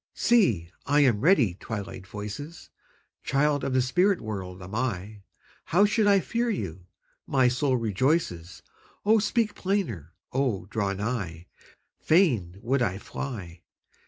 See, I am ready, Twilight voices! Child of the spirit world am I; How should I fear you? my soul rejoices, O speak plainer! O draw nigh! Fain would I fly!